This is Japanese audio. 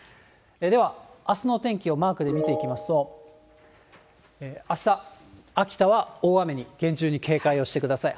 では、あすの天気をマークで見ていきますと、あした、秋田は大雨に厳重に警戒をしてください。